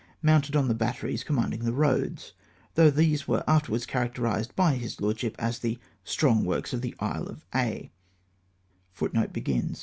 375 mounted on the batteries commanding the roads, though these were afterwards characterised by his Lordsliip as the " strong works on the Isle of Aix."